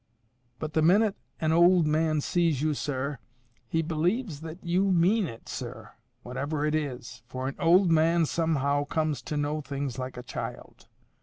But the minute an ould man sees you, sir, he believes that you MEAN it, sir, whatever it is. For an ould man somehow comes to know things like a child.